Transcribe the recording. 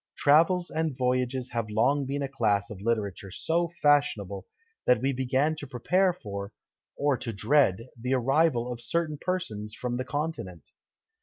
Travels and voyages have long been a class of literature so fashionable, that we begin to prepare for, or to dread, the arrival of certain persons from the Continent!